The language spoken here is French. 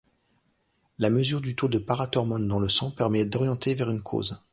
La mesure du taux de parathormone dans le sang permet d'orienter vers une cause.